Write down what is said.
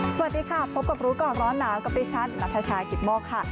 สวัสดีค่ะพบกับรู้ก่อนร้อนหนาวกับดิฉันนัทชายกิตโมกค่ะ